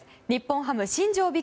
日本ハム新庄